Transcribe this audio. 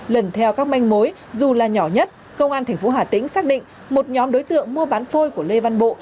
lần theo các manh mối dù là nhỏ nhất công an tp hà tĩnh xác định một nhóm đối tượng mua bán phôi của lê văn bộ